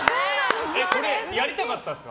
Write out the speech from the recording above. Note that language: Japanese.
やりたかったんですか？